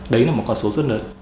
đấy là một con số rất lớn